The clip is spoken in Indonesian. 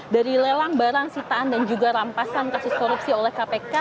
dari lelang barang sitaan dan juga rampasan kasus korupsi oleh kpk